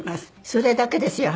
それだけですよ